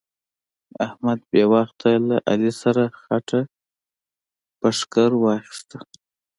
احمد بې وخته له علي سره خټه پر ښکر واخيسته.